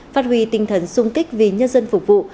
phát huy tinh thần sung kích vì nhân dân phục vụ